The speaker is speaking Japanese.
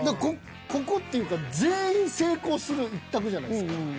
ここっていうか全員成功する１択じゃないですか。